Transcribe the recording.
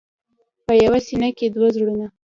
په یوه سینه کې دوه زړونه.